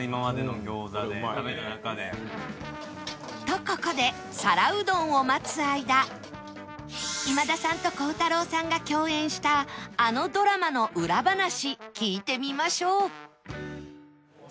とここで今田さんと孝太郎さんが共演したあのドラマの裏話聞いてみましょう